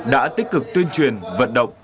đã tích cực tuyên truyền vận động